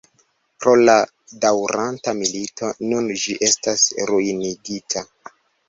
Pro la daŭranta milito nun ĝi estas ruinigita.